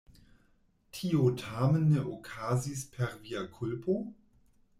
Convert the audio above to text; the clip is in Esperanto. Tio tamen ne okazis per via kulpo?